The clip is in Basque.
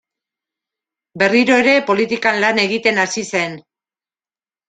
Berriro ere politikan lan egiten hasi zen.